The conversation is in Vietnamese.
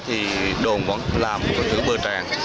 thì đồn vẫn làm một cái chữ bờ tràn